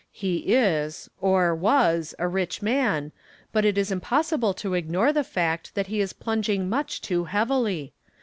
He is or was a rich man, but it is impossible to ignore the fact that he is plunging much too heavily.